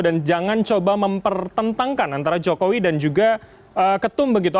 dan jangan coba mempertentangkan antara jokowi dan juga ketum begitu